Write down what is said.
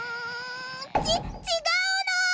ちちがうの！